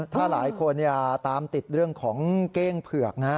ถ้าหลายคนตามติดเรื่องของเก้งเผือกนะ